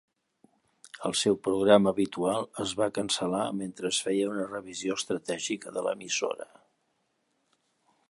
El seu programa habitual es va cancel·lar mentre es feia una revisió estratègica de l'emissora.